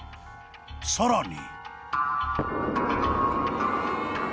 ［さらに］